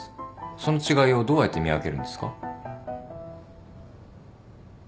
その違いをどうやって見分けるんですか？